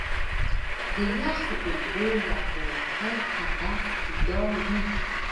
د يخو اوبو د لامبلو هدف جدا وي -